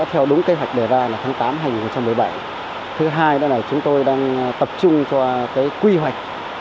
thứ hai chúng tôi đang tập trung cho quy hoạch